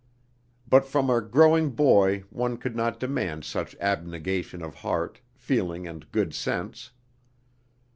But from a growing boy one could not demand such abnegation of heart, feeling and good sense.